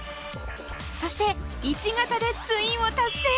そして１型でツインを達成！